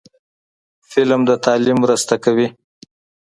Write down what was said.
فلم د تعلیم مرسته کوي